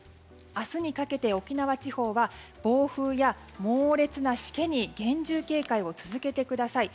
明日にかけて沖縄地方は暴風や猛烈なしけに厳重警戒を続けてください。